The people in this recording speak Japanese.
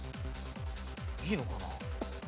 いいのかな？